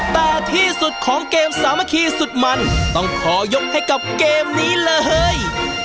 แต่ที่สุดของเกมสามัคคีสุดมันต้องขอยกให้กับเกมนี้เลย